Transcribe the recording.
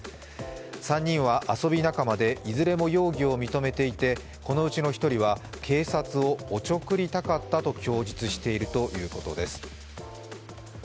２人は遊び仲間で、いずれも容疑を認めていてこのうちの１人は警察をおちょくりたかったと供述しているということです。